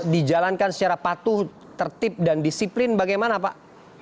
dijalankan secara patuh tertib dan disiplin bagaimana pak